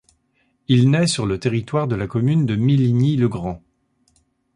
Il naît sur le territoire de la commune de Méligny-le-Grand.